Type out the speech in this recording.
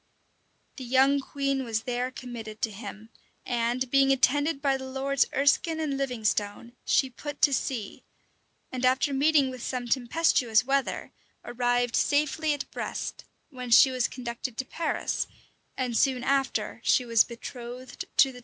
[] The young queen was there committed to him; and, being attended by the lords Ereskine and Livingstone, she put to sea, and, after meeting with some tempestuous weather, arrived safely at Brest, whence she was conducted to Paris, and soon after she was betrothed to the dauphin.